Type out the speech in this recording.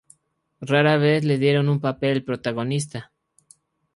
Rara vez le dieron un papel protagonista.